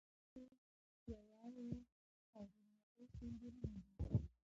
مېلې د سولي، یووالي او ورورولۍ سېمبولونه دي.